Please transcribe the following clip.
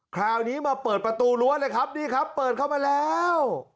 คราวนี้มาเปิดประตูรั้วเลยครับนี่ครับเปิดเข้ามาแล้ว